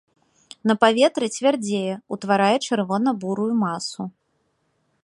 На паветры цвярдзее, утварае чырвона-бурую масу.